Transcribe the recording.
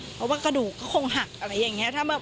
เพราะว่ากระดูกก็คงหักอะไรอย่างนี้